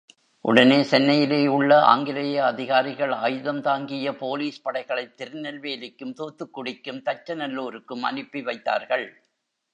உடனே சென்னையிலே உள்ள ஆங்கிலேயே அதிகாரிகள் ஆயுதம் தாங்கிய போலீஸ் படைகளைத் திருநெல்வேலிக்கும், தூத்துக்குடிக்கும், தச்சநல்லூருக்கும் அனுப்பி வைத்தார்கள்.